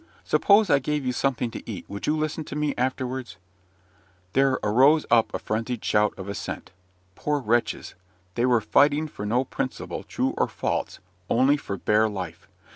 "Suppose I gave you something to eat, would you listen to me afterwards?" There arose up a frenzied shout of assent. Poor wretches! they were fighting for no principle, true or false, only for bare life.